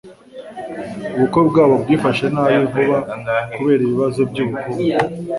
Ubukwe bwabo bwifashe nabi vuba kubera ibibazo byubukungu